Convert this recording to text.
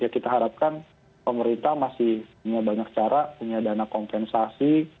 kita harapkan pemerintah masih punya banyak cara punya dana kompensasi